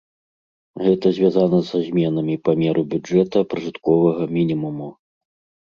Гэта звязана са зменамі памеру бюджэта пражытковага мінімуму.